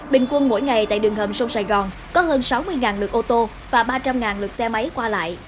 bình quân mỗi ngày tại đường hầm sông sài gòn có hơn sáu mươi lực ô tô và ba trăm linh lực xe máy qua lại